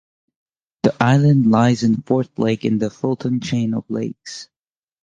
The island lies in Fourth Lake in the Fulton Chain of Lakes.